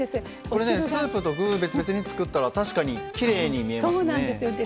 これスープと具別々に作ったら確かにきれいに見えますね。